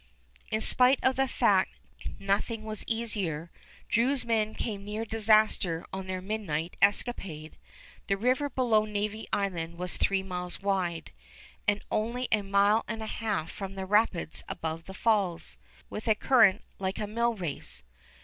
In spite of the fact "nothing was easier," Drew's men came near disaster on their midnight escapade. The river below Navy Island was three miles wide, and only a mile and a half from the rapids above the Falls, with a current like a mill race.